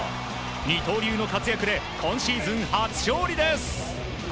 二刀流の活躍で今シーズン初勝利です。